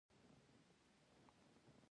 اکبرجان به کله ناکله په هغو سپو بړچ هم وکړ.